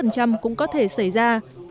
có thể xảy ra